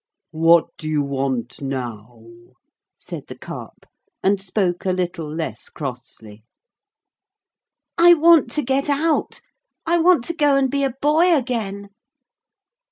'What do you want now?' said the Carp, and spoke a little less crossly. 'I want to get out. I want to go and be a boy again.'